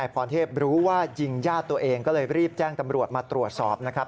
จริงญาติตัวเองก็เลยรีบแจ้งตำรวจมาตรวจสอบนะครับ